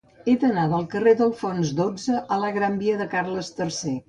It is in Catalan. He d'anar del carrer d'Alfons dotze a la gran via de Carles III.